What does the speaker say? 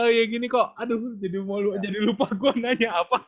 kalau yang gini kok aduh jadi mau jadi lupa gue nanya apa